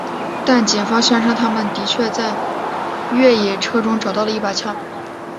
但警方宣称他们的确在越野车中找到了一把枪。